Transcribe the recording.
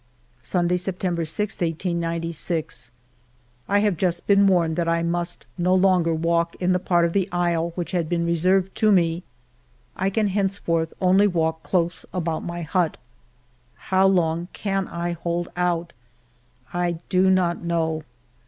Sunday, September 6, 1896. I have just been warned that I must no longer walk in the part of the isle which had been re served to me; I can henceforth only walk close about my hut. How long can I hold out ? I do not know